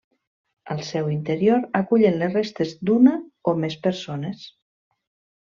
Al seu interior acullen les restes d'una o més persones.